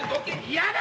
嫌だ！